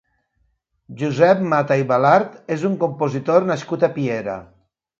Josep Mata i Balart és un compositor nascut a Piera.